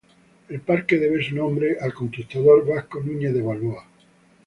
El parque debe su nombre Conquistador Vasco Núñez de Balboa.